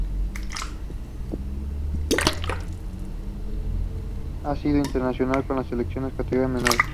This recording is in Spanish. Ha sido internacional con su selección en categorías menores.